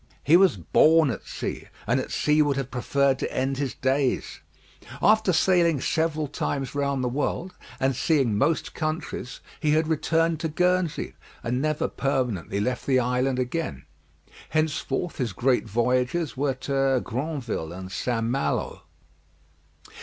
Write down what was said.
He was born at sea, and at sea would have preferred to end his days. After sailing several times round the world, and seeing most countries, he had returned to Guernsey, and never permanently left the island again. Henceforth his great voyages were to Granville and St. Malo.